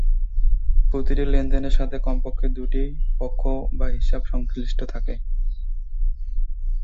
প্রতিটি লেনদেনের সাথে কমপক্ষে দুইটি পক্ষ বা হিসাব সংশ্লিষ্ট থাকে।